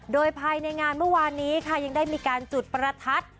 โดยภายในงานเมื่อวานนี้ค่ะยังได้มีการจุดประทัด